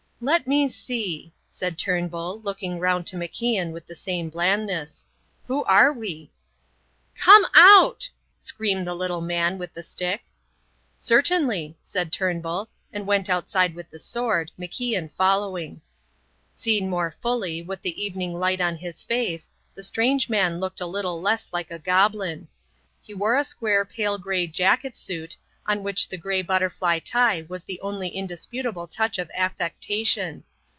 "Let me see," said Turnbull, looking round to MacIan with the same blandness. "Who are we?" "Come out," screamed the little man with the stick. "Certainly," said Turnbull, and went outside with the sword, MacIan following. Seen more fully, with the evening light on his face, the strange man looked a little less like a goblin. He wore a square pale grey jacket suit, on which the grey butterfly tie was the only indisputable touch of affectation.